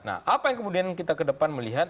nah apa yang kemudian kita ke depan melihat